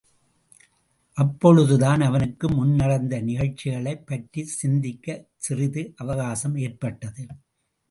அப்பொழுதுதான் அவனுக்கு முன்நடந்த நிகழ்ச்சிகளைப் பற்றிச் சிந்திக் கச்சிறிது அவகாசம் ஏற்பட்டது.